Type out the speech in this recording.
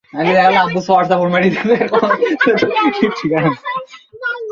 তবে আমরা যতদিন মায়াবদ্ধ, ততদিন আমাদিগকে এই-সকল দৃশ্য দেখিতে হয়।